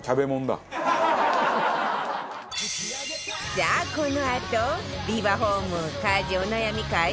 さあこのあとビバホーム家事お悩み解消グッズ